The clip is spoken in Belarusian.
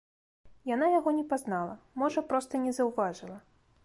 Яна яго не пазнала, можа, проста не заўважыла.